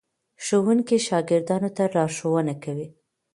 ښوونکي شاګردانو ته لارښوونه کوي.